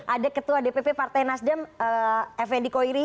ada ketua dpp partai nasdem fnd koiri